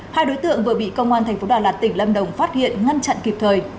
hai đối tượng vừa bị công an tp đà lạt tỉnh lâm đồng phát hiện ngăn chặn kịp thời